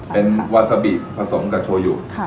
เป็นวาซาบิผสมกับโชยุ